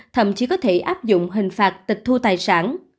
thậm chí có thể áp dụng hình phạt tịch thu tài sản